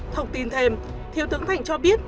thông tin thêm thiếu tướng thành cho biết